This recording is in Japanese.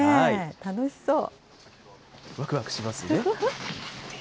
楽しそう。